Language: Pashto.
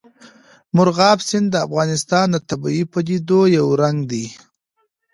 مورغاب سیند د افغانستان د طبیعي پدیدو یو رنګ دی.